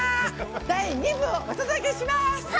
第２部をお届けします。